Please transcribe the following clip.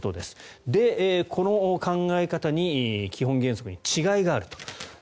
で、この考え方、基本原則に違いがあると。